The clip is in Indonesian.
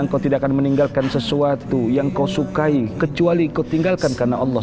engkau tidak akan meninggalkan sesuatu yang kau sukai kecuali kau tinggalkan karena allah